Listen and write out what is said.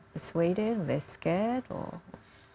dipersetujui atau mereka takut